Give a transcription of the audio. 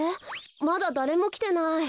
まだだれもきてない。